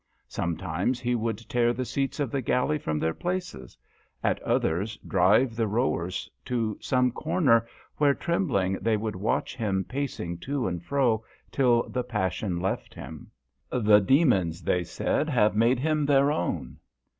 Sometimes he would tear the seats of the galley from their places, at others drive the rowers to some corner where, trembling, they would watch him pacing to and fro till the passion left him. " The demons," they said, " have made him their own."